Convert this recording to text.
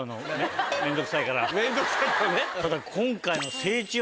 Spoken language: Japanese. ただ今回の。